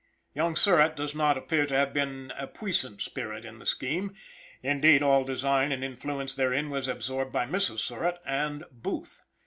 Young Surratt does not appear to have been a puissant spirit in the scheme; indeed, all design and influence therein was absorbed by Mrs. Surratt and Booth.